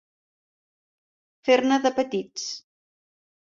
Fer-ne de petits.